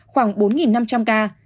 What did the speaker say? khoảng bốn năm trăm linh ca